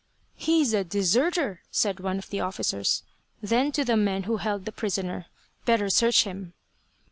"He's a deserter," said one of the officers. Then to the men who held the prisoner, "Better search him."